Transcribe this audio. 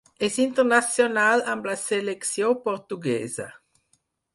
És internacional amb la selecció portuguesa.